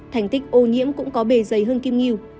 thành tích ô nhiễm cũng có bề dày hương kim nghiêu